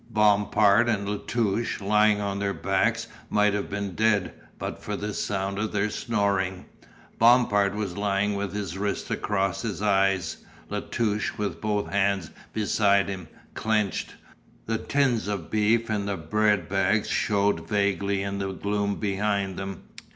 Bompard and La Touche lying on their backs might have been dead but for the sound of their snoring. Bompard was lying with his wrist across his eyes, La Touche with both hands beside him, clenched. The tins of beef and the bread bags shewed vaguely in the gloom behind them.